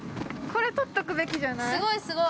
◆これ、撮っとくべきじゃない？